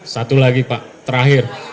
satu lagi pak terakhir